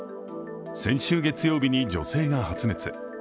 先週月曜日に女性が発熱。